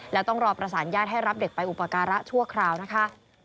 แล้วต้องรอประสานญาติให้รับเด็กไปอุปการะชั่วคราวนะคะ